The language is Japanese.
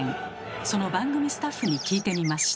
その番組スタッフに聞いてみました。